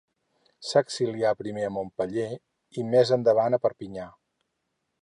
S'exilià primer a Montpeller i més endavant a Perpinyà.